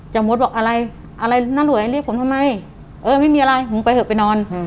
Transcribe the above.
มดบอกอะไรอะไรน่ารวยเรียกผมทำไมเออไม่มีอะไรผมไปเถอะไปนอน